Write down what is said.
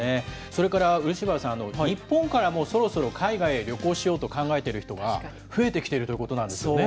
それから漆原さん、日本からも、そろそろ海外へ旅行しようと考えてる人が増えてきているということなんですよね。